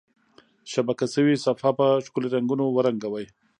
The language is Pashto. شبکه شوي صفحه په ښکلي رنګونو ورنګوئ.